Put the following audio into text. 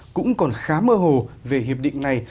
cũng còn khá mơ hồ về hiệp định này